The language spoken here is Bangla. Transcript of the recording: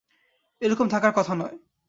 এ রকম থাকার কথা নয়।